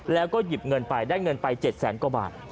แล้วก็หยิบเงินไปได้เงินไป๗แสนกว่าบาท